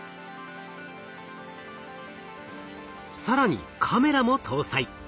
更にカメラも搭載。